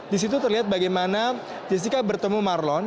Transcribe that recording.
di situ terlihat bagaimana jessica bertemu marlon